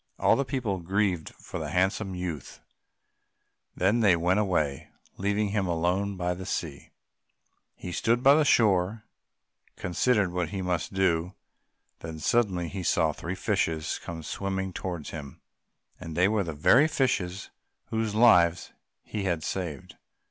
All the people grieved for the handsome youth; then they went away, leaving him alone by the sea. He stood on the shore and considered what he should do, when suddenly he saw three fishes come swimming towards him, and they were the very fishes whose lives he had saved.